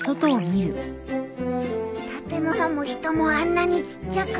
建物も人もあんなにちっちゃく。